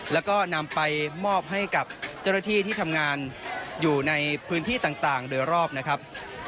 แล้วก็นำไปมอบให้กับเจ้าหน้าที่ที่ทำงานอยู่ในพื้นที่ต่างโดยรอบนะครับ